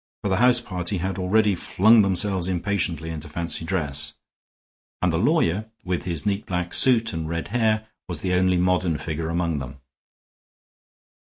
For the house party had already flung themselves impatiently into fancy dress, and the lawyer, with his neat black suit and red hair, was the only modern figure among them.